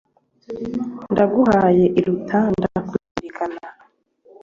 Ndaguhaye iruta ndakuzirikana.